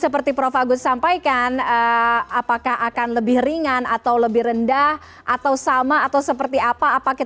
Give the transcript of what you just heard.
seperti prof agus sampaikan apakah akan lebih ringan atau lebih rendah atau sama atau seperti apa